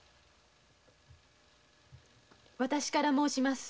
私から申します。